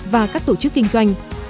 và các tổ chức kinh doanh